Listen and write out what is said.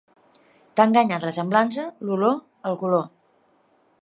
T'ha enganyat la semblança, l'olor, el color.